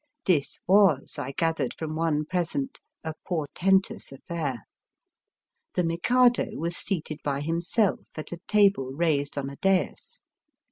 This was, I gathered from one present, a portentous affair. The Mikado was seated by himself at a table raised on a dais.